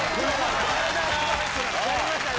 やりましたね。